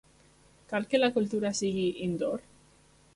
¿Cal que la cultura sigui "indoor"?